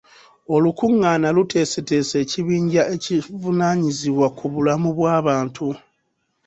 Olukungana luteesetese ekibinja ekivunaanyizibwa ku bulamu bw'abantu.